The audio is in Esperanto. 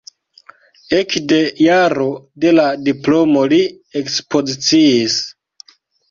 Ekde jaro de la diplomo li ekspoziciis.